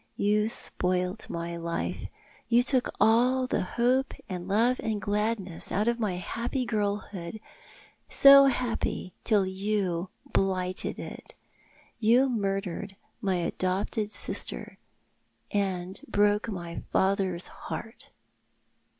You spoilt my life. You took all the hope and love and gladness out of my happy girlhood, so happy till you blighted it. You murdered my adopted sister, and broke my father's heart."